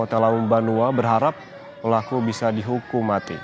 telaum banua berharap pelaku bisa dihukum mati